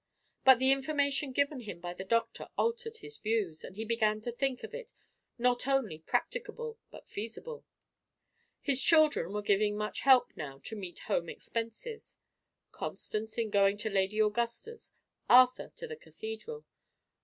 But the information given him by the doctor altered his views, and he began to think it not only practicable, but feasible. His children were giving much help now to meet home expenses Constance, in going to Lady Augusta's; Arthur, to the Cathedral. Dr.